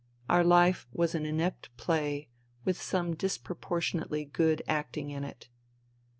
Our life was an inept play with some disproportionately good acting in it.